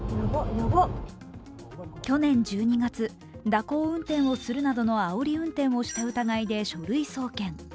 去年１２月、蛇行運転をするなどのあおり運転をした疑いで書類送検。